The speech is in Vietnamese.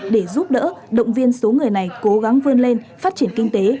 để giúp đỡ động viên số người này cố gắng vươn lên phát triển kinh tế